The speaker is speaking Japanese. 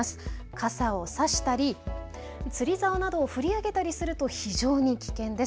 傘を差したり、釣りざおなどを振り上げたりすると非常に危険です。